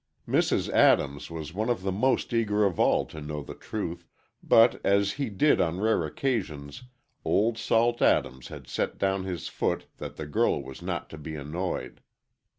Mrs. Adams was one of the most eager of all to know the truth, but, as he did on rare occasions, Old Salt Adams had set down his foot that the girl was not to be annoyed.